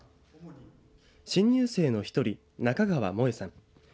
新入生の１人、中川もえさん。